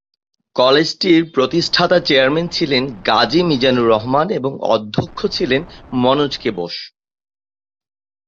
কলেজটির প্রতিষ্ঠাতা চেয়ারম্যান ছিলেন গাজী মিজানুর রহমান এবং অধ্যক্ষ ছিলেন মনোজ কে বোস।